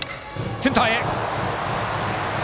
センターへ。